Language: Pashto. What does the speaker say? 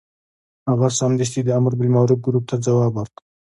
هغه سمدستي د امر بالمعروف ګروپ ته ځواب ورکړ.